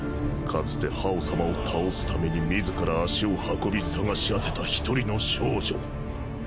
かつて葉王様を倒すために自ら足を運び捜し当てた１人の少女。